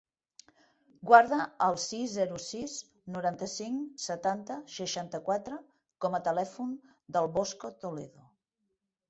Guarda el sis, zero, sis, noranta-cinc, setanta, seixanta-quatre com a telèfon del Bosco Toledo.